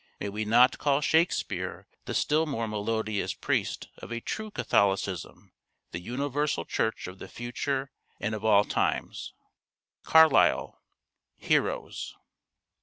May we not call Shakespeare the still more melodious Priest of a true Catholicism, the Universal Church of the Future and of all times.' CARLYLE, " Heroes."